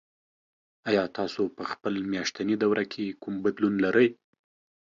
ایا تاسو په خپل میاشتني دوره کې کوم بدلون لرئ؟